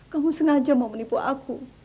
kamu sengaja mau menipu aku